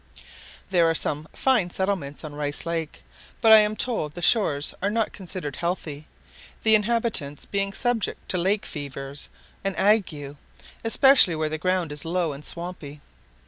There are some fine settlements on the Rice Lake, but I am told the shores are not considered healthy, the inhabitants being subject to lake fevers and ague, especially where the ground is low and swampy.